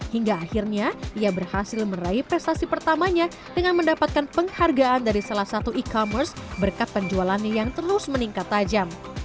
hingga akhirnya ia berhasil meraih prestasi pertamanya dengan mendapatkan penghargaan dari salah satu e commerce berkat penjualannya yang terus meningkat tajam